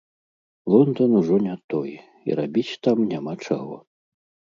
Лондан ужо не той, і рабіць там няма чаго.